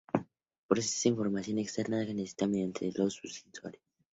Procesa la información externa que necesita mediante sus sensores.